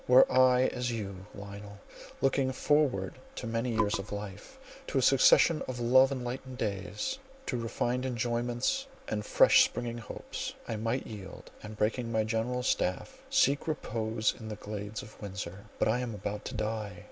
Were I as you, Lionel, looking forward to many years of life, to a succession of love enlightened days, to refined enjoyments and fresh springing hopes, I might yield, and breaking my General's staff, seek repose in the glades of Windsor. But I am about to die!